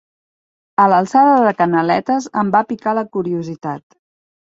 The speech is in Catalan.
A l'alçada de Canaletes em va picar la curiositat.